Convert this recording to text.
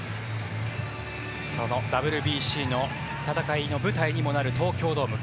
そのＷＢＣの戦いの舞台にもなる東京ドーム。